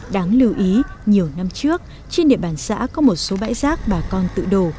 đáng lưu ý nhiều năm trước trên địa bàn xã có một số bãi rác bà con tự đổ